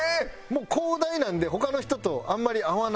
もう広大なので他の人とあんまり会わない場所。